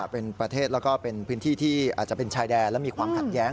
เป็นประเทศแล้วก็เป็นพื้นที่ที่อาจจะเป็นชายแดนและมีความขัดแย้ง